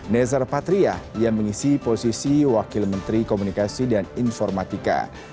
nezar patria yang mengisi posisi wakil menteri komunikasi dan informatika